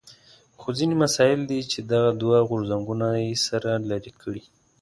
خو ځینې مسایل دي چې دغه دوه غورځنګونه یې سره لرې کړي.